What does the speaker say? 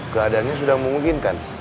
keadaannya sudah memungkinkan